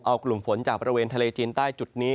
เอากลุ่มฝนจากบริเวณทะเลจีนใต้จุดนี้